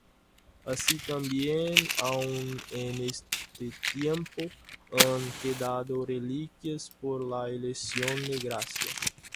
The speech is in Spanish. Así también, aun en este tiempo han quedado reliquias por la elección de gracia.